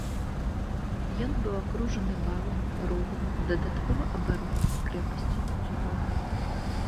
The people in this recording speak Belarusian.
Ён быў акружаны валам, ровам, дадаткова абаронены крэпасцю на ўзгорку.